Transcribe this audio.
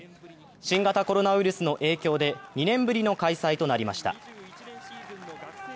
新型コロナウイルスの影響で２年ぶりの開催となりました。